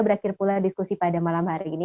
berakhir pula diskusi pada malam hari ini